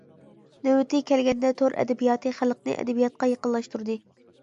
نۆۋىتى كەلگەندە تور ئەدەبىياتى خەلقنى ئەدەبىياتقا يېقىنلاشتۇردى.